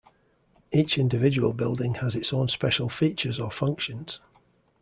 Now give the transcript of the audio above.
Each individual building has its own special features or functions.